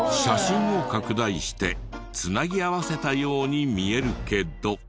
写真を拡大して繋ぎ合わせたように見えるけど。